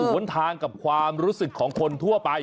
หนทางกับความรู้สึกของคนทั่วไป